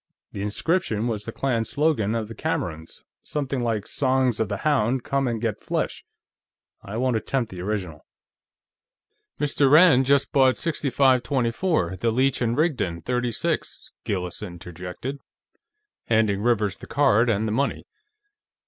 "The inscription was the clan slogan of the Camerons; something like: Sons of the hound, come and get flesh! I won't attempt the original." "Mr. Rand just bought 6524, the Leech & Rigdon .36," Gillis interjected, handing Rivers the card and the money.